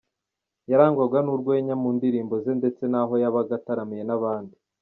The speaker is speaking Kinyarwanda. yarangwaga nurwenya mu ndirimbo ze ndetse naho yabaga ataramiye nabandi.